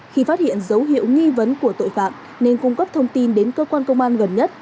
khi phát hiện dấu hiệu nghi vấn của tội phạm nên cung cấp thông tin đến cơ quan công an gần nhất